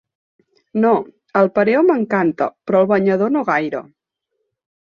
No, el pareo m'encanta, però el banyador no gaire.